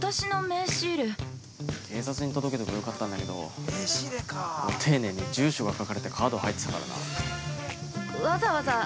警察に届けてもよかったんだけどご丁寧に住所が書かれたカードが入ってたからな。